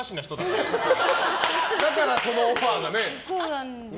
だからそのオファーがね。